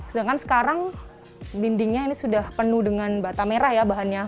sedangkan sekarang dindingnya ini sudah penuh dengan bata merah ya bahannya